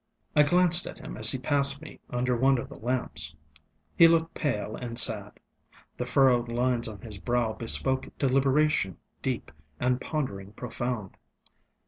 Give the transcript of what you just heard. I glanced at him as he passed me under one of the lamps. He looked pale and sad. The furrowed lines on his brow bespoke deliberation deep and pondering profound.